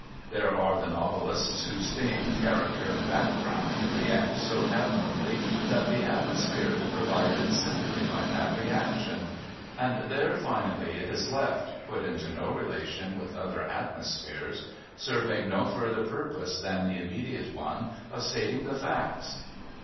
There are the novelists whose theme, characters and background react so admirably that the atmosphere is provided simply by that reaction and there, finally, it is left, put into no relation with other atmospheres, serving no further purpose than the immediate one of stating the facts.